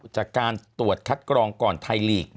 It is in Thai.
จากการตรวจคัดกรองก่อนไทยลีก